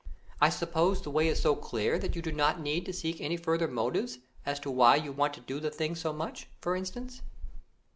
I suppose the way is so clear that you do not need to seek any further motives, as to why you want to do the thing so much, for instance?"